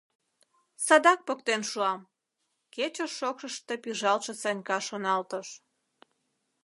«Садак поктен шуам», — кече шокшышто пӱжалтше Санька шоналтыш.